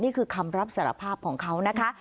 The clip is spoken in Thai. นี่คือคำรับสารภาพของเขานะคะ